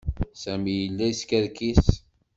Sami yella yeskerkis.